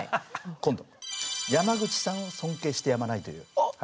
今度山口さんを尊敬してやまないという。